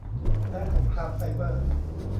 และสงครามไซเบอร์